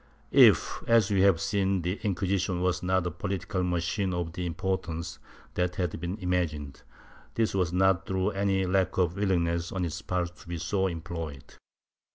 ^ If, as we have seen, the Inquisition was not a political machine of the importance that has been imagined, this was not through any lack of willingness on its part to be so employed.